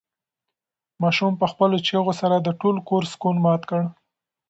ماشوم په خپلو چیغو سره د ټول کور سکون مات کړ.